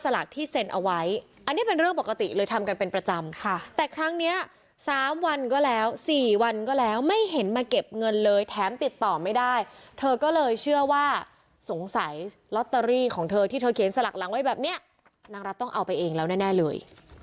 ล็อตเตอรี่ของเธอที่เธอเขียนสลักหลังไว้แบบเนี้ยนางรัฐต้องเอาไปเองแล้วแน่แน่เลย